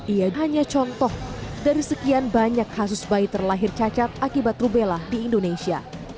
ia hanya contoh dari sekian banyak kasus bayi terlahir cacat akibat rubella di indonesia